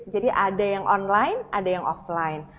jadi ada yang online ada yang offline